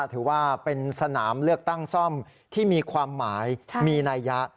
ถือว่าเป็นสนามเลือกตั้งซ่อมที่มีความหมายมีนัยยะ